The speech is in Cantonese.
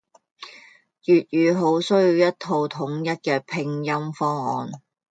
粵語好需要一套統一嘅拼音方案